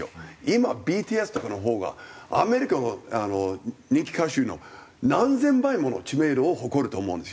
今ＢＴＳとかのほうがアメリカの人気歌手の何千倍もの知名度を誇ると思うんですよ。